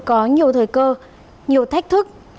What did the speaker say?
có nhiều thời cơ nhiều thách thức